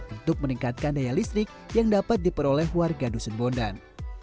untuk meningkatkan daya listrik yang dapat diperoleh warga dusun bondan